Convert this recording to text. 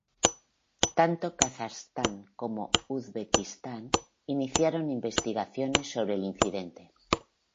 Tanto Kazajstán como Uzbekistán iniciaron investigaciones sobre el incidente.